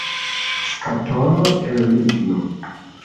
Skatolo el ligno.